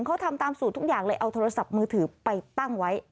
เขาทำตามสูตรทุกอย่างเลยเอาโทรศัพท์มือถือไปตั้งไว้